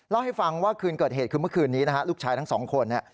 เล่าให้ฟังว่าคืนเกิดเหตุคือเมื่อคืนนี้นะฮะลูกชายทั้งสองคนเนี่ย